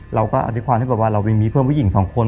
เราก็เอาในความที่บอกว่าเรามีเพื่อนผู้หญิง๒คน